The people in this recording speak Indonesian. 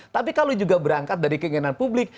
tapi kalau juga berangkat dari keinginan publik